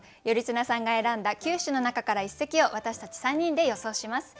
頼綱さんが選んだ九首の中から一席を私たち３人で予想します。